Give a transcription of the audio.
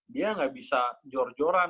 dia nggak bisa jor joran